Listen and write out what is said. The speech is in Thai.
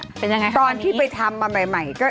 เป็นยังไงครับวันนี้ตอนที่ไปทำมาใหม่ก็